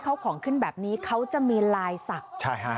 เขาของขึ้นแบบนี้เขาจะมีลายศักดิ์ใช่ฮะ